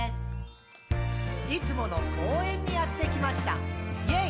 「いつもの公園にやってきました！イェイ！」